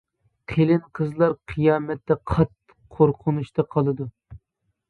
قېلىن قىزلار قىيامەتتە قاتتىق قورقۇنچتا قالىدۇ!